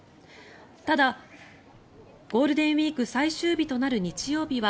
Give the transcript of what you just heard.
ただゴールデンウィーク最終日となる日曜日は